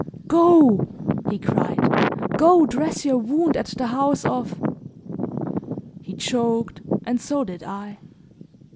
"Go!" he cried, "go dress your wound at the house of " He choked, and so did I.